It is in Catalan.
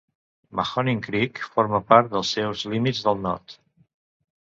Mahoning Creek forma part dels seus límits del nord.